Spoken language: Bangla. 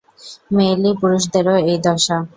মেয়েলি পুরুষদেরও এই দশা।